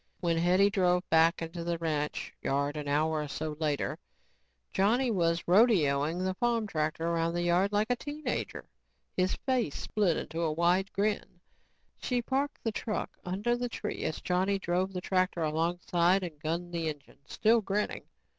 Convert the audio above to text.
When Hetty drove back into the ranch yard an hour or so later, Johnny was rodeoing the farm tractor around the yard like a teen ager, his face split in a wide grin. She parked the truck under the tree as Johnny drove the tractor alongside and gunned the engine, still grinning.